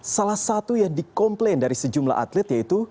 salah satu yang dikomplain dari sejumlah atlet yaitu